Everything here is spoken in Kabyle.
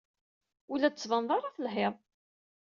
Ur la d-tettbaned ara telhid.